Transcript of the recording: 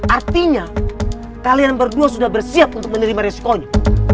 artinya kalian berdua sudah bersiap untuk menerima resikonya